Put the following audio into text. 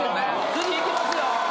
次いきますよ。